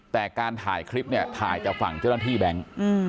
แต่การถ่ายคลิปเนี่ยถ่ายจากฝั่งเจ้าหน้าที่แบงค์